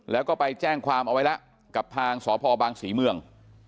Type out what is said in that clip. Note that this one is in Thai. แล้วก็ไปแจ้งความเอาไว้แล้วกับทางสพบางศรีเมือง